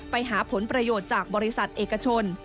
ไปหาผลประโยชน์จากบริษัทเอกชน